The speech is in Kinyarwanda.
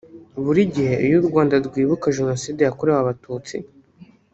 Buri gihe iyo u Rwanda rwibuka Jenoside yakorewe abatutsi